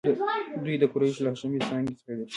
دوی د قریشو له هاشمي څانګې څخه دي.